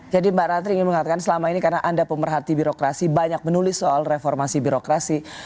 jadi mbak rater ingin mengatakan selama ini karena anda pemerhati birokrasi banyak menulis soal reformasi birokrasi